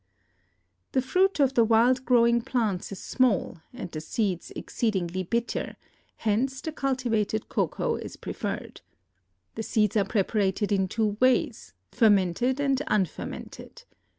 ] The fruit of the wild growing plants is small and the seeds exceedingly bitter, hence the cultivated cocoa is preferred. The seeds are prepared in two ways, fermented and unfermented.